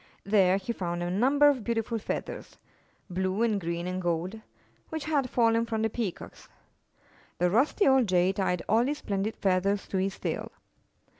There he found a number of beautiful feathers — blue and green and gold — which had fallen from the Peacocks. The rusty old Jay tied all these splendid feathers to his tail.